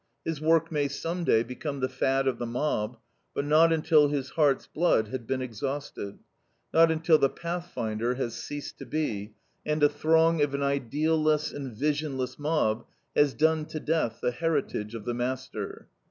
His work may some day become the fad of the mob, but not until his heart's blood had been exhausted; not until the pathfinder has ceased to be, and a throng of an idealless and visionless mob has done to death the heritage of the master.